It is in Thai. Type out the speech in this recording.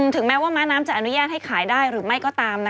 ถึงแม้ว่าม้าน้ำจะอนุญาตให้ขายได้หรือไม่ก็ตาม